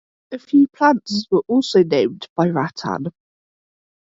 A few plants were also named by Rattan.